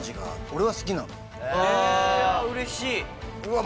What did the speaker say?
うれしい！